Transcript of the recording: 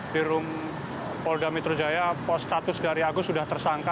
di rum pol gamitru jaya post status dari agus sudah tersangka